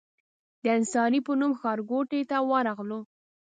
د انصاري په نوم ښارګوټي ته ورغلو.